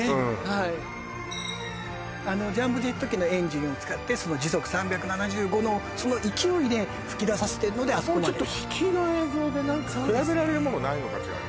はいあのジャンボジェット機のエンジンを使ってその時速３７５のその勢いで噴き出させてるのであそこまでもうちょっと引きの映像で何か比べられるものないのかしら